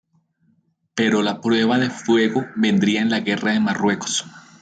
Pero la prueba de fuego vendría en la Guerra de Marruecos.